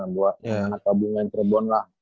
buat atau bingungin cirebon lah